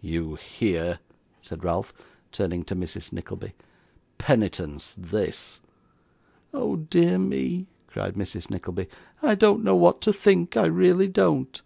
'You hear?' said Ralph, turning to Mrs. Nickleby. 'Penitence, this!' 'Oh dear me!' cried Mrs. Nickleby, 'I don't know what to think, I really don't.